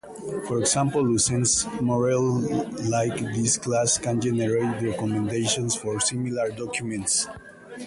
For example, Lucene's 'MoreLikeThis' Class can generate recommendations for similar documents.